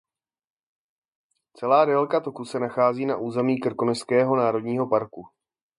Celá délka toku se nachází na území Krkonošského národního parku.